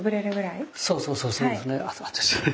そうそうそうそうですね。